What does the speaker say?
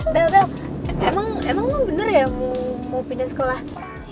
bel bel emang lu bener ya mau pindah sekolah